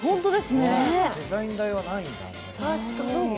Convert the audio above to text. デザイン代はないんだ。